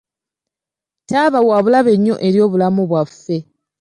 Ttaaba wa bulabe nnyo eri obulamu bwaffe.